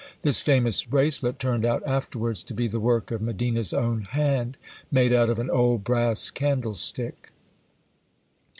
This famous bracelet turned out afterwards to be the work of Medina's own hand, made out of an old brass candlestick!